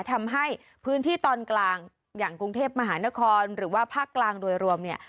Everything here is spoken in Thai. ทำให้พื้นที่ตอนกลางอย่างกรุงเทพมหานครหรือว่าภาคกลางโดยรวมเนี่ย